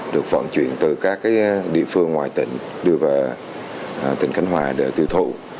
được vận chuyển từ các địa phương ngoài tỉnh đưa vào tỉnh khánh hòa để tiêu thụ